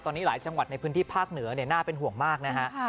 ตอนนี้หลายจังหวัดในพื้นที่ภาคเหนือน่าเป็นห่วงมากนะฮะ